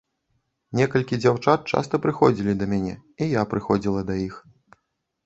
Некалькі дзяўчат часта прыходзілі да мяне, і я прыходзіла да іх.